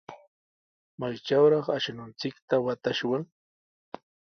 ¿Maytrawraq ashnunchikta watashwan?